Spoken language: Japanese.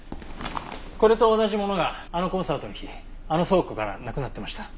これと同じものがあのコンサートの日あの倉庫からなくなってました。